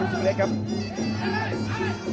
จัดสีบด้วยครับจัดสีบด้วยครับ